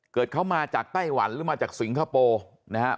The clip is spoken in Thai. เกิดเขามาจากไต้หวันหรือมาจากสิงคโปร์นะครับ